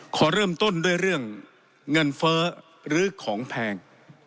ขอเริ่มต้นด้วยเรื่องเงินเฟ้อหรือของแพง